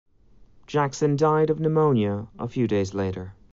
Jackson died of pneumonia a few days later.